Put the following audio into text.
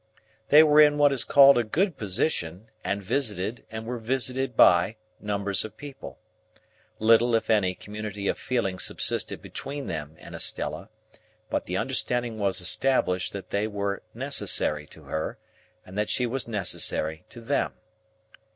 They were in what is called a good position, and visited, and were visited by, numbers of people. Little, if any, community of feeling subsisted between them and Estella, but the understanding was established that they were necessary to her, and that she was necessary to them.